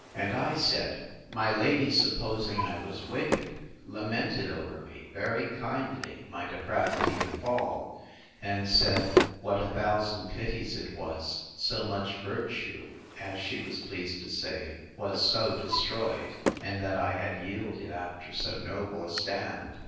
And I said, My lady, supposing I was wicked, lamented over me, very kindly, my depravity and fall, and said, What a thousand pities it was, so much virtue, as she was pleased to say, was so destroyed; and that I had yielded, after so noble a stand!